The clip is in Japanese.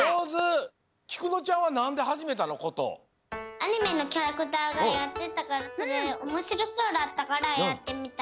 アニメのキャラクターがやってたからそれでおもしろそうだったからやってみた。